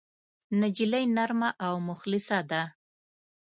نجلۍ نرمه او مخلصه ده.